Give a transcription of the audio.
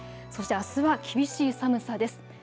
そして、あすは厳しい寒さです。